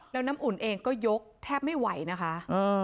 แล้วน้ำอุ่นเองก็ยกแทบไม่ไหวนะคะ